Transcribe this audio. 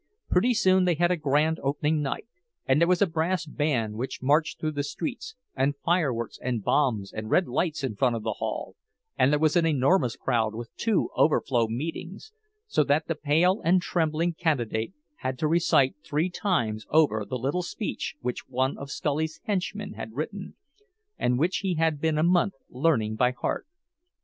Pretty soon they had a grand opening night; and there was a brass band, which marched through the streets, and fireworks and bombs and red lights in front of the hall; and there was an enormous crowd, with two overflow meetings—so that the pale and trembling candidate had to recite three times over the little speech which one of Scully's henchmen had written, and which he had been a month learning by heart.